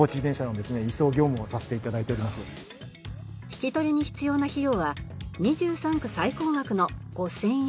引き取りに必要な費用は２３区最高額の５０００円。